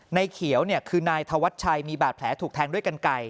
ในเขียวคือนายธวัชชัยมีบาดแผลถูกแทงด้วยกันไก่